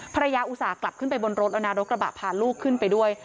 อุตส่าห์กลับขึ้นไปบนรถแล้วนะรถกระบะพาลูกขึ้นไปด้วย